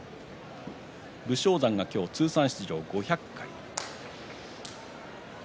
武将山が今日、通算出場５００回。